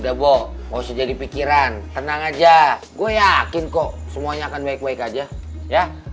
udah bosen jadi pikiran tenang aja gue yakin kok semuanya akan baik baik aja ya